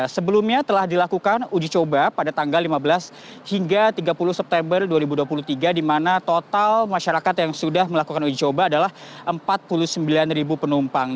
sebelumnya telah dilakukan uji coba pada tanggal lima belas hingga tiga puluh september dua ribu dua puluh tiga di mana total masyarakat yang sudah melakukan uji coba adalah empat puluh sembilan penumpang